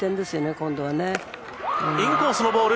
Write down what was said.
インコースのボール！